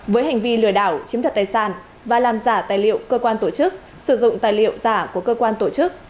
với hành vi lừa đảo chiếm thật tài sản và làm giả tài liệu cơ quan tổ chức sử dụng tài liệu giả của cơ quan tổ chức